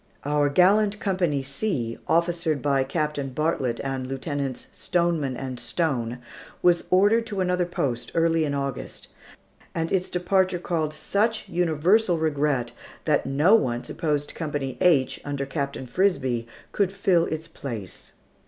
Our gallant Company C, officered by Captain Bartlett and Lieutenants Stoneman and Stone, was ordered to another post early in August; and its departure caused such universal regret that no one supposed Company H, under Captain Frisbie, could fill its place.